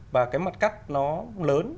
và cái mặt cắt nó lớn